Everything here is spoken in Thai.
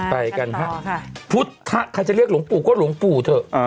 ไปกันฮะพุทธใครจะเรียกหลวงปู่ก็หลวงปู่เถอะ